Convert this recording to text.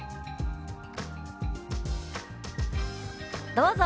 どうぞ。